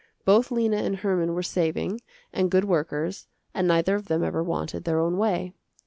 Both Lena and Herman were saving and good workers and neither of them ever wanted their own way.